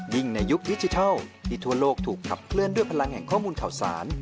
ในยุคดิจิทัลที่ทั่วโลกถูกขับเคลื่อนด้วยพลังแห่งข้อมูลข่าวสาร